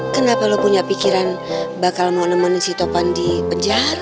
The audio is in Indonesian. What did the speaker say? kenapa lu punya pikiran bakal mau nemenin si topan di penjara